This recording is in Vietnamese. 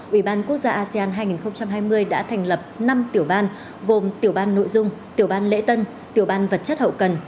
ủy ban quốc gia asean hai nghìn hai mươi đã thành lập năm tiểu ban gồm tiểu ban nội dung tiểu ban lễ tân tiểu ban vật chất hậu cần